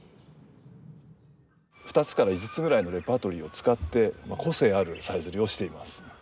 ２つから５つぐらいのレパートリーを使って個性あるさえずりをしています。